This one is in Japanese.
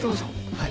はい。